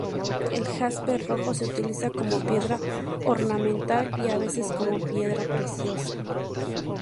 El jaspe rojo se utiliza como piedra ornamental y a veces como piedra preciosa.